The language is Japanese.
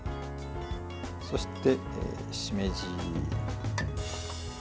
そして、しめじ。